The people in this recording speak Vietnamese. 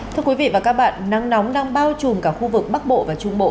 thưa quý vị và các bạn nắng nóng đang bao trùm cả khu vực bắc bộ và trung bộ